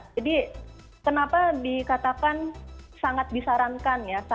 jadi kenapa dikatakan sangat disarankan ya